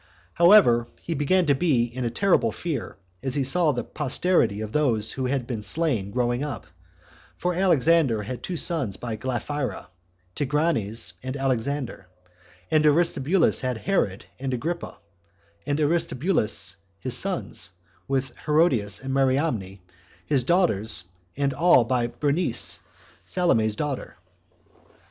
However, he began to be in a terrible fear, as he saw the posterity of those that had been slain growing up; for Alexander had two sons by Glaphyra, Tigranes and Alexander; and Aristobulus had Herod, and Agrippa, and Aristobulus, his sons, with Herodias and Mariamne, his daughters, and all by Bernice, Salome's daughter.